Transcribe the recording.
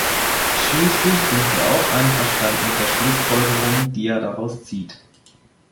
Schließlich sind wir auch einverstanden mit den Schlussfolgerungen, die er daraus zieht.